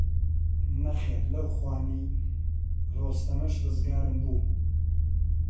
نەخێر لەو خوانی ڕۆستەمەش ڕزگارم بوو